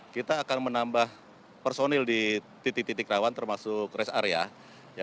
kita akan menambah personil di titik titik rawan termasuk rest area